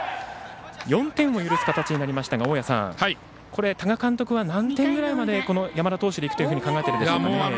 ４点を許す形になりましたが大矢さん多賀監督は何点ぐらいまで山田投手でいくというふうに考えているでしょうかね。